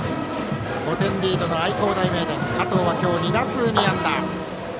５点リードの愛工大名電加藤は今日２打数２安打。